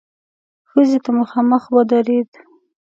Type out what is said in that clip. ښځې ته مخامخ ودرېد.